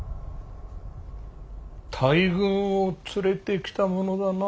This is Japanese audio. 大軍を連れてきたものだな。